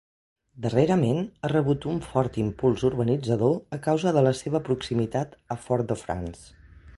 Darrerament ha rebut un fort impuls urbanitzador a causa de la seva proximitat a Fort-de-France.